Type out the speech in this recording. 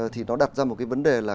thì nó đặt ra một cái vấn đề là